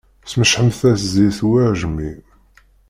Smecḥemt-as zzit i uεejmi.